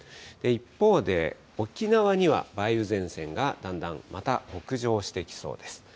一方で、沖縄には梅雨前線がだんだん、また北上してきそうです。